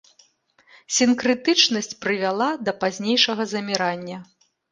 Сінкрэтычнасць прывяла да пазнейшага замірання.